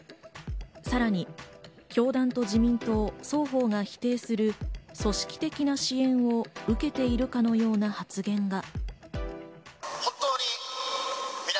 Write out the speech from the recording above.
さらに教団と自民党双方が否定する組織的な支援を受けているかのような発言が。